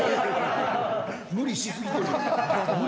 無理しすぎてるよ。